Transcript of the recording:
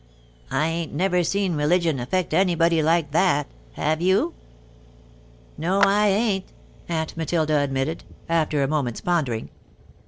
"I ain't never seen religion affect anybody like that, have you?' "No, I ain't," Aunt Matilda admitted, after a moment's pondering.